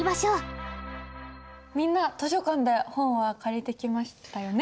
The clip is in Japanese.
みんな図書館で本は借りてきましたよね。